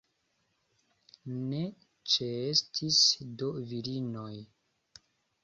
Ne ĉeestis do virinoj?